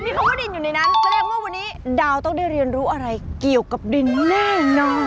มีคำว่าดินอยู่ในนั้นแสดงว่าวันนี้ดาวต้องได้เรียนรู้อะไรเกี่ยวกับดินแน่นอน